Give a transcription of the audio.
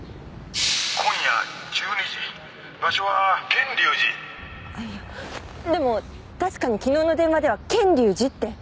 「今夜１２時場所は賢隆寺」でも確かに昨日の電話では「賢隆寺」って。